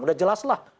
sudah jelas lah